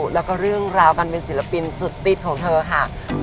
แล้วก็เรื่องราวการเป็นศิลปินสุดติดของเธอค่ะ